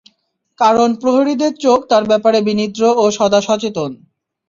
কারণ প্রহরীদের চোখ তার ব্যাপারে বিনিদ্র ও সদাসচেতন।